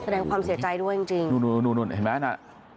แสดงความเสียใจด้วยจริงจริงนู่นเห็นไหมน่ะ